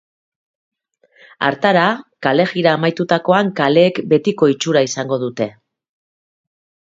Hartara, kalejira amaitutakoan kaleek betiko itxura izango dute.